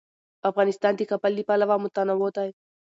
افغانستان د کابل له پلوه متنوع دی.